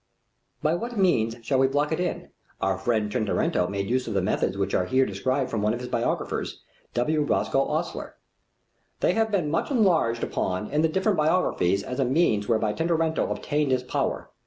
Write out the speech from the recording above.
By what means shall we block it in? Our friend Tintoretto made use of methods which are here described from one of his biographers, W. Roscoe Osler: "They have been much enlarged upon in the different biographies as the means whereby Tintoretto obtained his power.